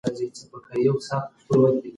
بې لارۍ نه رامنځته کېږي.